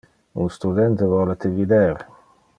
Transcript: Un studente vole te vider.